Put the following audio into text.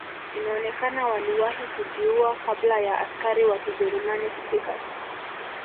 Inaonekana waliwahi kujiua kabla ya askari wa kijerumani kufika